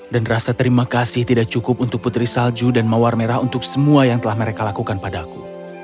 dan rasa terima kasih tidak cukup untuk putri salju dan mawar merah untuk semua yang telah mereka lakukan padaku